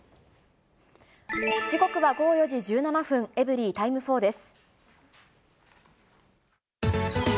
時刻は午後４時１７分、エブリィタイム４です。